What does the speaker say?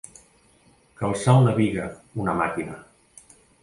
Calçar una biga, una màquina.